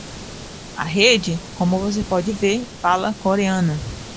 A rede, como você pode ver, fala coreano?